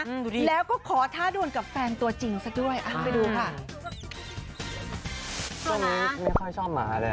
ดูดิยะแล้วก็ขอถ้าด้วนกับแฟนตัวจริงซะด้วยอะก็ไปดูค่ะอก่อน